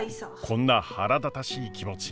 こんな腹立たしい気持ち